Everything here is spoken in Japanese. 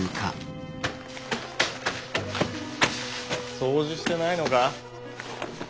掃除してないのか。